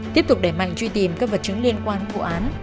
tiếp tục đẩy mạnh truy tìm các vật chứng liên quan vụ án